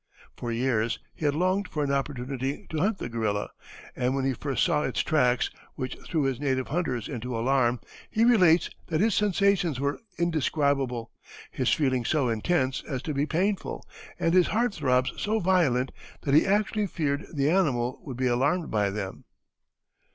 For years he had longed for an opportunity to hunt the gorilla, and when he first saw its tracks, which threw his native hunters into alarm, he relates that his sensations were indescribable, his feelings so intense as to be painful, and his heart throbs so violent that he actually feared the animal would be alarmed by them.